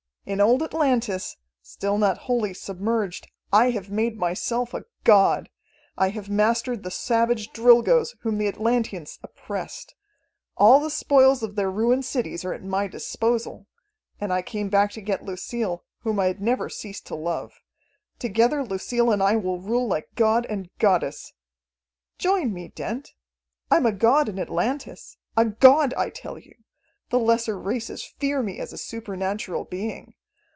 "In old Atlantis, still not wholly submerged, I have made myself a god. I have mastered the savage Drilgoes whom the Atlanteans oppressed. All the spoils of their ruined cities are at my disposal. And I came back to get Lucille, whom I had never ceased to love. Together Lucille and I will rule like god and goddess. "Join me, Dent. I'm a god in Atlantis a god, I tell you. The lesser races fear me as a supernatural being.